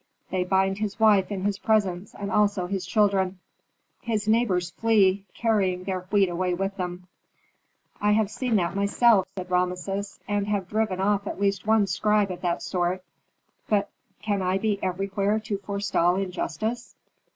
They bind his wife in his presence and also his children. His neighbors flee, carrying their wheat away with them." Original description. "I have seen that myself," said Rameses, "and have driven off at least one scribe of that sort. But can I be everywhere to forestall injustice?"